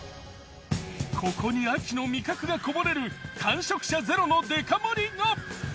ここに秋の味覚がこぼれる完食者ゼロのデカ盛りが！